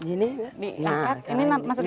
ini masukin lagi